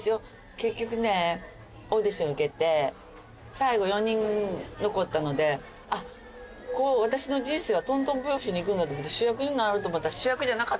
結局ねオーディション受けて最後４人残ったので私の人生はとんとん拍子にいくんだと思って主役になれると思ったら。